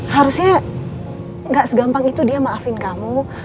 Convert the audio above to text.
harusnya gak segampang itu dia maafin kamu